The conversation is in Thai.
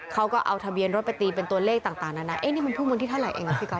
เขาก็เอาทะเบียนรถไปตีเป็นตัวเลขต่างนั้นนะนี่มันพรุ่งวันที่เท่าไหร่ไงครับ